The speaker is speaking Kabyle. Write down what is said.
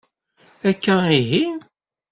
Akka ihi?